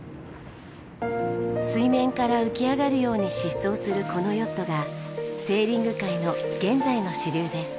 水面から浮き上がるように疾走するこのヨットがセーリング界の現在の主流です。